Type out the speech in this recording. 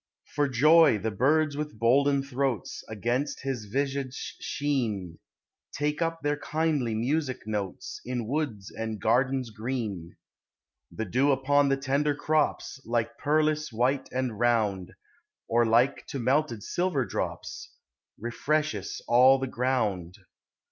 For joy the birds with boulden throats Against his visage sheen Take up their kindly musick notes In woods and gardens green. The dew upon the lender crops, Like pearlis while and round, Or like to melted silver drops, Refreshis all the ground.